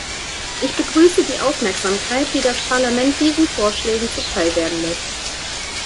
Ich begrüße die Aufmerksamkeit, die das Parlament diesen Vorschlägen zuteil werden lässt.